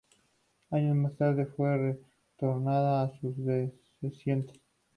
Años más tarde fue retornada a sus descendientes.